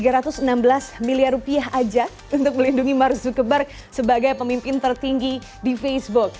rp lima belas miliar aja untuk melindungi mark zuckerberg sebagai pemimpin tertinggi di facebook